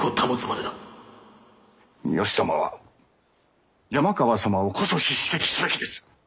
三好様は山川様をこそ叱責すべきです。